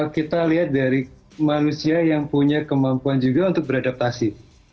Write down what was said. kita lihat dari manusia yang punya kemampuan juga untuk beradaptasi